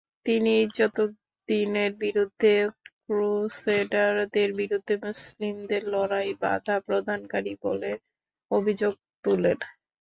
তিনি ইজ্জউদ্দিনের বিরুদ্ধে ক্রুসেডারদের বিরুদ্ধে মুসলিমদের লড়াইয়ে বাধাপ্রদানকারী বলে অভিযোগ তোলেন।